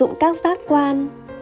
sử dụng các giác quan